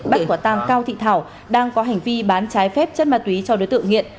bắt quả tàng cao thị thảo đang có hành vi bán trái phép chất ma túy cho đối tượng nghiện